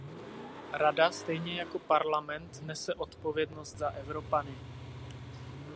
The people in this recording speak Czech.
Rada, stejně jako Parlament, nese odpovědnost za Evropany.